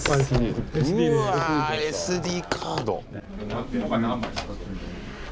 うわＳＤカード。